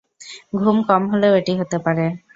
ঘুম কম হলেও এটি হতে পারে।